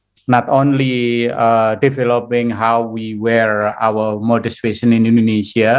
tidak hanya mengembangkan cara kita memakai modus operasi di indonesia